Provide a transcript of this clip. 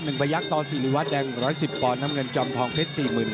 หนึ่งประยักษณ์ตอนสิริวัตรแดงร้อยสิบปอนด์น้ำเงินจองทองเพชรสี่หมื่น